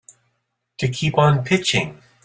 To keep on pitching.